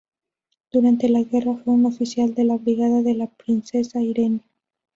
Durante la guerra fue un oficial de la Brigada de la Princesa Irene.